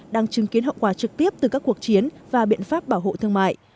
đang chứng kiến hậu quả trực tiếp từ các cuộc chiến và biện pháp bảo hộ thương mại